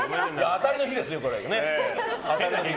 当たりの日ですよ。